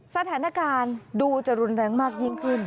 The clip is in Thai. สถานการณ์ดูจะรุนแรงมากยิ่งขึ้น